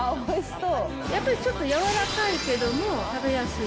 やっぱりちょっと柔らかいけども、食べやすい。